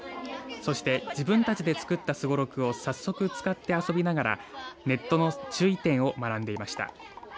そして、自分たちで作ったすごろくを早速、使って遊びながらネットの注意点を学んでいました。